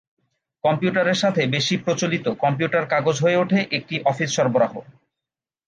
কম্পিউটারের সাথে বেশি প্রচলিত "কম্পিউটার কাগজ" হয়ে ওঠে একটি অফিস সরবরাহ।